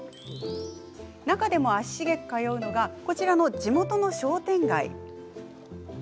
中でも足しげく通うのがこちらの地元の商店街。